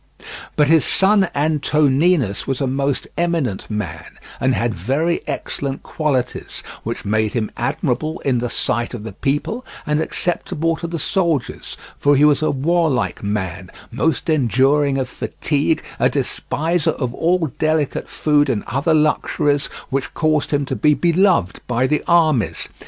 But his son Antoninus was a most eminent man, and had very excellent qualities, which made him admirable in the sight of the people and acceptable to the soldiers, for he was a warlike man, most enduring of fatigue, a despiser of all delicate food and other luxuries, which caused him to be beloved by the armies.